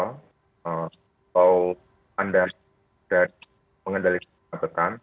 ee kalau anda sudah mengendalikan kemacetan